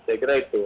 saya kira itu